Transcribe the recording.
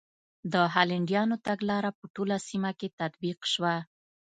د هالنډیانو تګلاره په ټوله سیمه کې تطبیق شوه.